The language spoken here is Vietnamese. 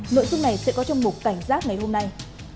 nội dung này sẽ có trong mục cảnh giác ngày hôm nay